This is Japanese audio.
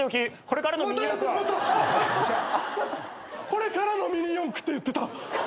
「これからのミニ四駆」って言ってた。